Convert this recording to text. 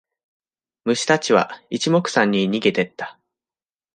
虫たちは一目散に逃げてった。